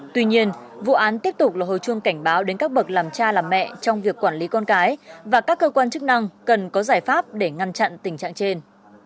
tuy nhiên vụ án tiếp tục là hồi chuông cảnh báo đến các bậc làm cha làm mẹ trong việc quản lý con cái và các cơ quan chức năng cần có giải pháp để ngăn chặn tình trạng trên